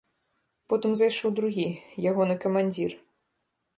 Потым зайшоў другі, ягоны камандзір.